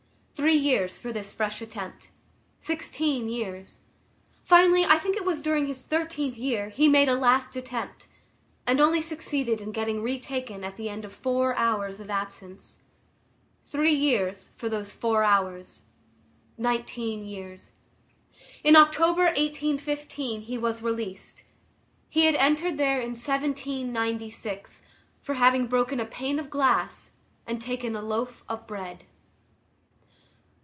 Three years for this fresh attempt. Sixteen years. Finally, I think it was during his thirteenth year, he made a last attempt, and only succeeded in getting retaken at the end of four hours of absence. Three years for those four hours. Nineteen years. In October, 1815, he was released; he had entered there in 1796, for having broken a pane of glass and taken a loaf of bread.